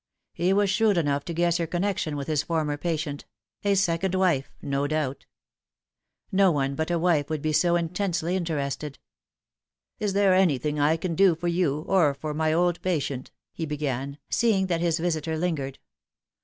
He was shrewd enough to guess her connection with his former patient a second wife, no doubt. No one but a wife would be so intensely interested. " If there is anything I can do for you, or for my old pa tient " he began, seeing that his visitor lingered.